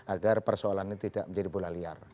agar persoalannya tidak menjadi bola liar